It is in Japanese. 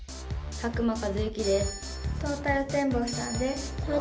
佐久間一行です。